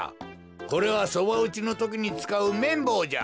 これはそばうちのときにつかうめんぼうじゃ。